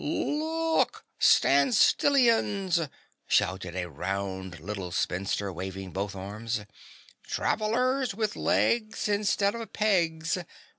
"Look! STAND STILLIANS!" shouted a round little spinster waving both arms. "Travelers with legs instead of pegs.